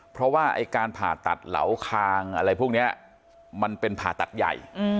เพราะว่าไอ้การผ่าตัดเหลาคางอะไรพวกนี้มันเป็นผ่าตัดใหญ่